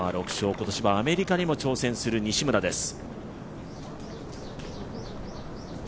今年はアメリカにも挑戦する西村です。